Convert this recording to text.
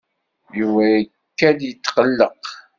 Yuba ikad-d yetqelleq.